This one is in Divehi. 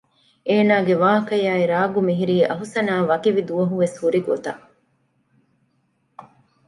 އޭނާގެ ވާހަކަޔާއި ރާގު މިހިރީ އަހުސަނާ ވަކިވި ދުވަހު ވެސް ހުރި ގޮތަށް